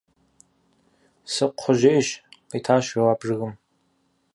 – Сыкхъужьейщ! – къитащ жэуап жыгым.